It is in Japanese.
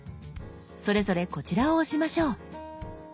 それぞれこちらを押しましょう。